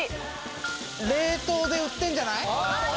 冷凍で売ってんじゃない？